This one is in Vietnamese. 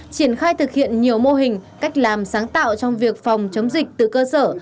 triển khai thực hiện nhiều mô hình cách làm sáng tạo trong việc phòng chống dịch từ cơ sở